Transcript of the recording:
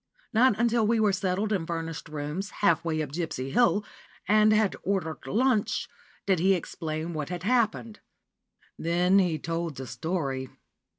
Not until we were settled in furnished rooms, half way up Gipsy Hill, and had ordered lunch, did he explain what had happened. Then he told the story.